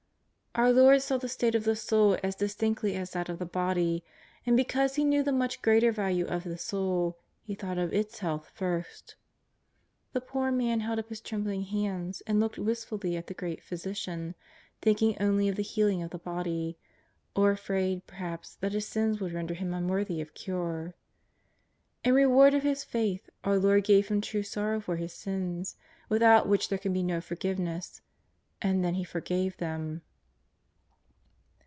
Our Lord saw the state of the soul as distinctly as that of the body, and because He knew the much greater value of the soul, He thought of its health first. The poor man held up his trembling hands and looked wist fully at the great Physician, thinking only of the heal ing of the body, or afraid, perhaps, that his sins would render him unworthy of cure. In reward of his faith our Lord gave him true sorrow for his sins, without which there can be no forgiveness, and then He forgave them.